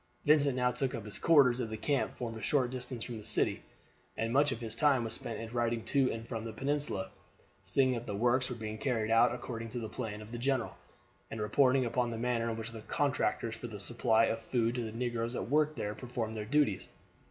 Vincent now took up his quarters at the camp formed a short distance from the city, and much of his time was spent in riding to and from the peninsula, seeing that the works were being carried out according to the plan of the general, and reporting upon the manner in which the contractors for the supply of food to the negroes at work there performed their duties.